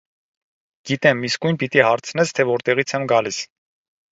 Գիտեմ, իսկույն պիտի հարցնես, թե որտեղից եմ գալիս: